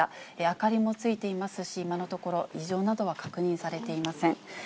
明かりもついていますし、今のところ異常などは確認されていません。